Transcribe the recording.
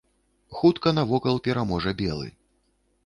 Хутка навокал пераможа белы.